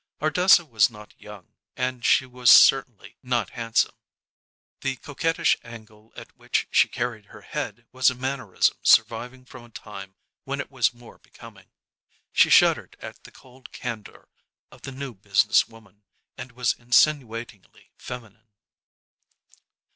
Ardessa was not young and she was certainly not handsome. The coquettish angle at which she carried her head was a mannerism surviving from a time when it was more becoming. She shuddered at the cold candor of the new business woman, and was insinuatingly feminine.